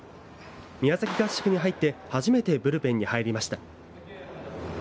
宮崎合宿に入って初めてブルペンに入りました。